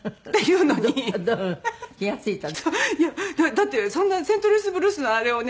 だってそんな『セントルイス・ブルース』のあれをね